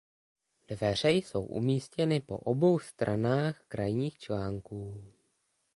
Dveře jsou umístěny po obou stranách krajních článků.